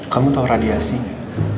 kamu tau radiasinya